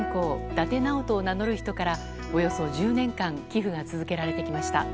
伊達直人を名乗る人からおよそ１０年間寄付が続けられてきました。